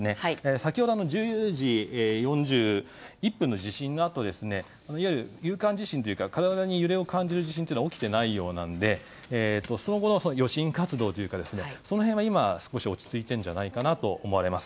先ほど１０時４１分の地震のあといわゆる有感地震というか体に揺れを感じる地震というのは起きていないようなのでその後の余震活動は今、少し落ち着いているんじゃないかなと思われます。